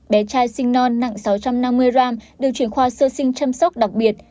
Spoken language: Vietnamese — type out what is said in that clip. bé trai sinh non nặng sáu trăm năm mươi gram được chuyển khoa sơ sinh chăm sóc đặc biệt